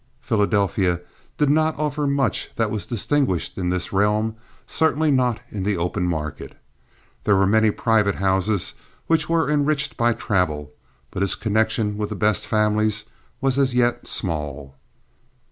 Philadelphia did not offer much that was distinguished in this realm—certainly not in the open market. There were many private houses which were enriched by travel; but his connection with the best families was as yet small.